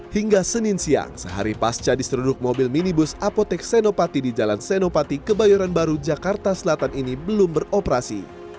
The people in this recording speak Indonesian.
hingga senin siang sehari pasca diseruduk mobil minibus apotek senopati di jalan senopati kebayoran baru jakarta selatan ini belum beroperasi